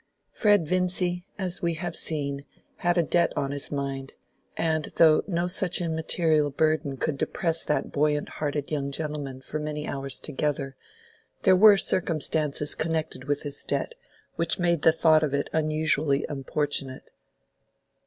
Fred Vincy, we have seen, had a debt on his mind, and though no such immaterial burthen could depress that buoyant hearted young gentleman for many hours together, there were circumstances connected with this debt which made the thought of it unusually importunate.